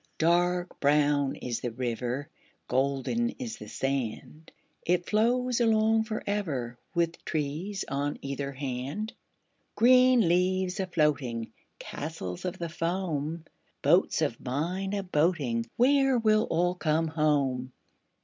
Dark brown is the river, Golden is the sand. It flows along for ever, With trees on either hand. Green leaves a floating, Castles of the foam, Boats of mine a boating— Where will all come home?